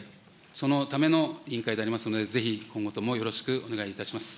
そのための委員会でありますので、ぜひ今後ともよろしくお願いいたします。